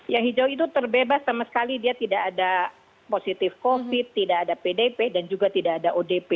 yang hijau itu terbebas sama sekali dia tidak ada positif covid tidak ada pdp dan juga tidak ada odp